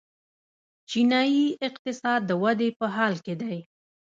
چینايي اقتصاد د ودې په حال کې دی.